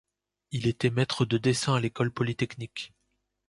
Il était maître de dessin à l'École polytechnique.